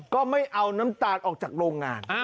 ก็ไม่เอาน้ำตาลออกจากโรงงาน